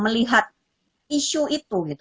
melihat isu itu